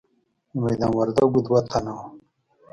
د میدان وردګو دوه تنه وو.